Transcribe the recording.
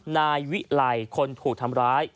นายวิไลคนถูกทำร้าย